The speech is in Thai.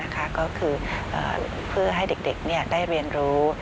ก็คือเพื่อให้เด็กได้เรียนรู้